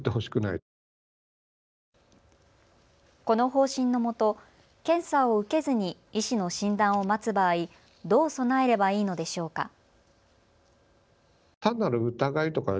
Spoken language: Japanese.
この方針のもと、検査を受けずに医師の診断を待つ場合、どう備えればいいのでしょうか。